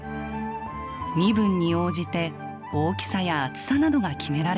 身分に応じて大きさや厚さなどが決められていました。